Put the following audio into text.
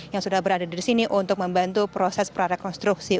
yang sudah berada di sini untuk membantu proses prarekonstruksi